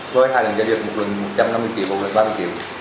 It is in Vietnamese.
với hai lần giao dịch một lần một trăm năm mươi triệu một lần ba mươi triệu